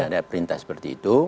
ada perintah seperti itu